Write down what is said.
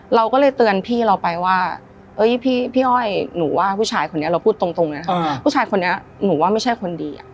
เราก็เลยเตือนพี่เราไปว่าพี่อ้อยหนูว่าผู้ชายคนนี้เราพูดตรงเลยนะคะผู้ชายคนนี้หนูว่าไม่ใช่คนดี